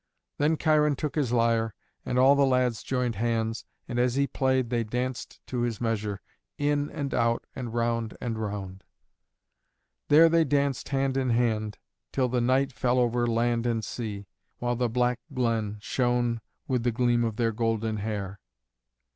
Then Cheiron took his lyre, and all the lads joined hands, and as he played they danced to his measure, in and out and round and round. There they danced hand in hand, till the night fell over land and sea, while the black glen shone with the gleam of their golden hair.